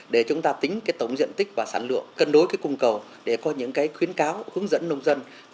để chúng ta tính tổng diện tích và sản lượng cân đối cung cầu để có những khuyến cáo hướng dẫn nông dân